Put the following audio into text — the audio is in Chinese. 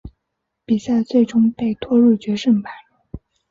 比赛最终被拖入决胜盘。